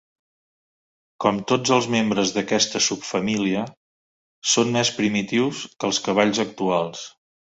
Com tots els membres d'aquesta subfamília, són més primitius que els cavalls actuals.